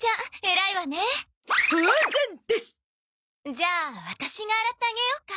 じゃあワタシが洗ってあげようか？